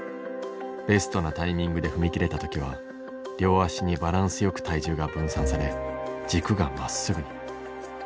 ベストなタイミングで踏み切れた時は両足にバランスよく体重が分散され軸がまっすぐに。